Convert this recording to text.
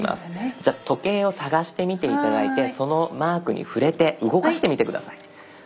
じゃあ時計を探してみて頂いてそのマークに触れて動かしてみて下さい。